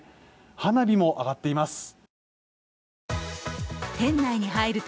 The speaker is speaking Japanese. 花火も上がっています。